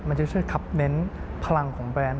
มันจะช่วยขับเน้นพลังของแบรนด์